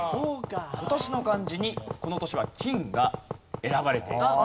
今年の漢字にこの年は「金」が選ばれているそうです。